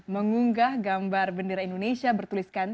mengunggah gambar bendera indonesia bertuliskan